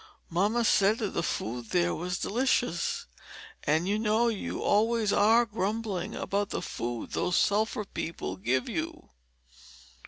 Mamma said that the food there was delicious and you know you always are grumbling about the food those sulphur people give you.